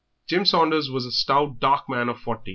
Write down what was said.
Jim Saunders was a stout, dark man about forty.